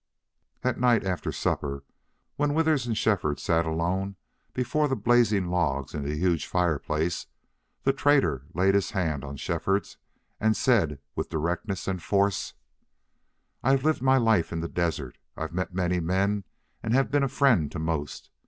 ........... That night after supper, when Withers and Shefford sat alone before the blazing logs in the huge fireplace, the trader laid his hand on Shefford's and said, with directness and force: "I've lived my life in the desert. I've met many men and have been a friend to most....